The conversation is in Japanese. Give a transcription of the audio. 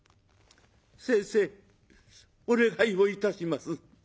「先生お願いをいたします。